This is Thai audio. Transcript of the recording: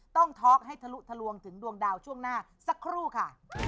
ต้องทอล์กให้ทะลุดาวถึงดวงดาวช่วงหน้าสักครู่ค่ะ